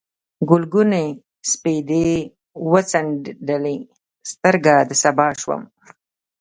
ګلګونې سپېدې وڅنډلې، سترګه د سبا شوم